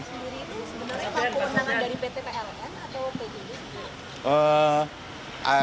sebenarnya apa penunjukan dari pt pln atau pjb